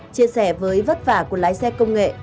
chia sẻ với vất vả của lái xe công nghệ